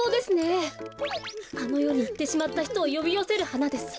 あのよにいってしまったひとをよびよせるはなです。